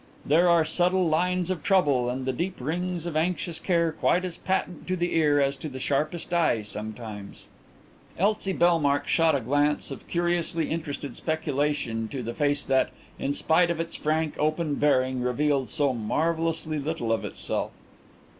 There are subtle lines of trouble and the deep rings of anxious care quite as patent to the ear as to the sharpest eye sometimes." Elsie Bellmark shot a glance of curiously interested speculation to the face that, in spite of its frank, open bearing, revealed so marvellously little itself.